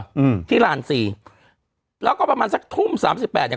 อืมที่ลานสี่แล้วก็ประมาณสักทุ่มสามสิบแปดเนี้ย